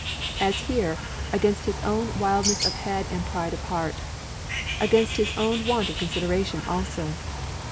As here, against his own wildness of head and pride of heart. Against his own want of consideration also.